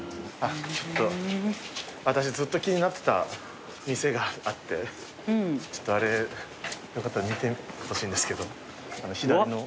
ちょっと私ずっと気になってた店があってちょっとあれよかったら見てほしいんですけどあの左の。